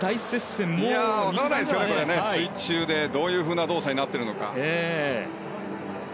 水中でどういう動作になってるのか。